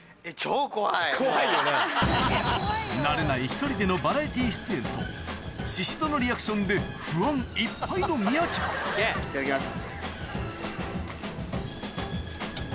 慣れない１人でのバラエティー出演と宍戸のリアクションで不安いっぱいのいただきます。